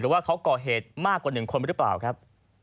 ว่าเขาก่อเหตุมากกว่า๑คนหรือเปล่าครับ